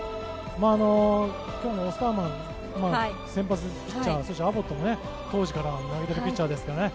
今日はオスターマン先発ピッチャー、アボットも当時から投げているピッチャーですからね。